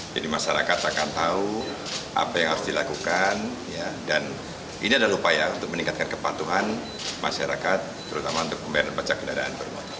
jadi masyarakat akan tahu apa yang harus dilakukan dan ini adalah upaya untuk meningkatkan kepatuhan masyarakat terutama untuk pembelian dan pajak kendaraan